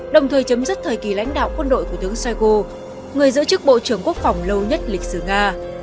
đồng thời chấm dứt thời kỳ lãnh đạo quân đội của tướng shoigo người giữ chức bộ trưởng quốc phòng lâu nhất lịch sử nga